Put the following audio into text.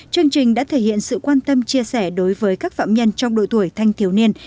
chương trình đã thể hiện sự quan tâm chia sẻ đối với các phạm nhân trong đội tuổi thanh thiếu niên